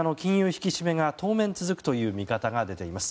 引き締めが当面続くという見方が出ています。